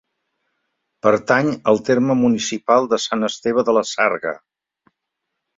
Pertany al terme municipal de Sant Esteve de la Sarga.